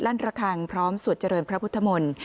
ระคังพร้อมสวดเจริญพระพุทธมนตร์